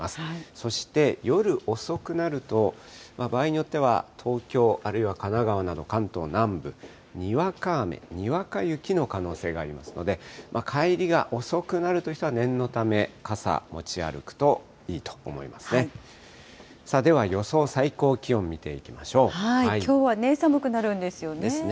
そして夜遅くなると、場合によっては東京、あるいは神奈川など関東南部、にわか雨、にわか雪の可能性がありますので、帰りが遅くなるという人は念のため、傘持ち歩くといいと思いますね。